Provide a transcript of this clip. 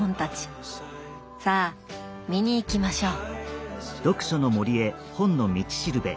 さあ見に行きましょう。